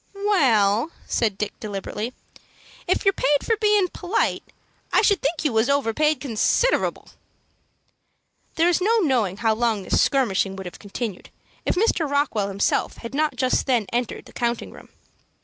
"Well," said Dick, deliberately, "if you're paid anything for bein' polite, I should think you was overpaid considerable." There is no knowing how long this skirmishing would have continued, if Mr. Rockwell himself had not just then entered the counting room.